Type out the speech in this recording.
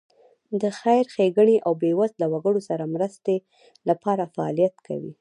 د خیر ښېګڼې او بېوزله وګړو سره مرستې لپاره فعالیت کوي.